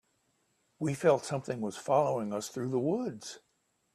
We felt that something was following us through the woods.